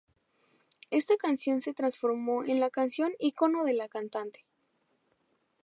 Esta canción se transformó en la canción icono de la cantante.